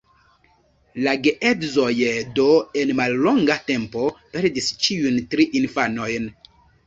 La geedzoj do en mallonga tempo perdis ĉiujn tri infanojn.